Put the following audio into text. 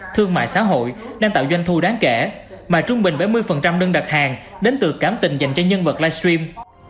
thương mại xã hội đang tạo doanh thu đáng kể mà trung bình bảy mươi đơn đặt hàng đến từ cảm tình dành cho nhân vật livestream